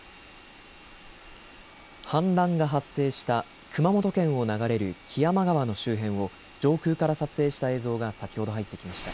氾濫が発生した熊本県を流れる木山川の周辺を上空から撮影した映像が先ほど入ってきました。